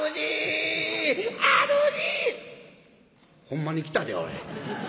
「ほんまに来たでおい。